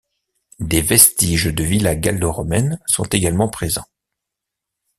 Des vestiges de villas gallo-romaines sont également présents.